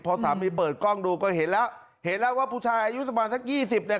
พอสามีเปิดกล้องดูก็เห็นแล้วเห็นแล้วว่าผู้ชายอายุสักประมาณสักยี่สิบเนี่ย